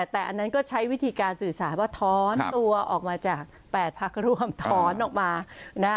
แต่อันนั้นก็ใช้วิธีการสื่อสารว่าถอนตัวออกมาจาก๘พักร่วมถอนออกมานะ